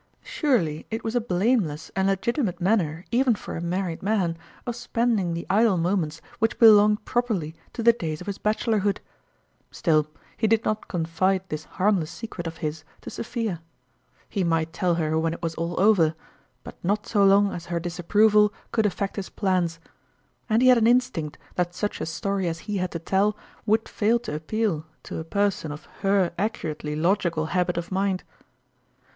Surely it was a blameless and legitimate manner, even for a married man, of spending the idle moments which belonged properly to the days of his bachelorhood ! Still, he did not confide this harmless secret of his to So phia ; he might tell her when it was all over, but not so long as her disapproval could affect his plans. And he had an instinct that such a story as he had to tell would fail to appeal to a person of her accurately logical habit of mind.